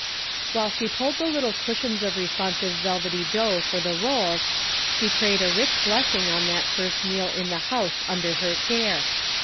While she pulled the little cushions of responsive velvety dough for the rolls, she prayed a rich blessing on that first meal in the house under her care.